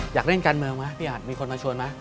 อยากเล่นการเมืองไหมพี่อัดมีคนมาชวนไหม